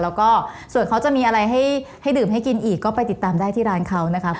แล้วก็ส่วนเขาจะมีอะไรให้ดื่มให้กินอีกก็ไปติดตามได้ที่ร้านเขานะคะ